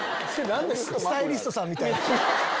スタイリストさんみたいに。